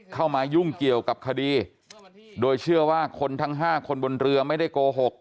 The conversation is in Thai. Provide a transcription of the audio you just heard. เข้ามายุ่งเกี่ยวกับคดีโดยเชื่อว่าคนทั้ง๕คนบนเรือไม่ได้โกหก